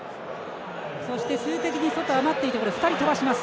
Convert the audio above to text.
そして、数的に外、余っていて２人、飛ばします。